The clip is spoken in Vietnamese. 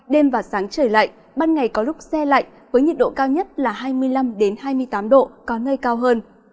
đêm và sáng trời lạnh ban ngày có lúc xe lạnh với nhiệt độ cao nhất là hai mươi năm hai mươi tám độ có nơi cao hơn